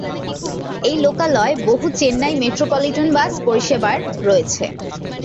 এই লোকালয় বহু চেন্নাই মেট্রোপলিটন বাস পরিষেবার রয়েছে।